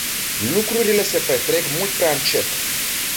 Lucrurile se petrec mult prea încet.